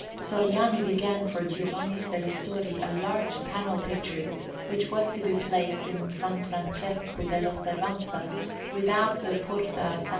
Sogliani began for Giovanni Serristori a large panel picture which was to be placed in S. Francesco dell' Osservanza, without the Porta a S.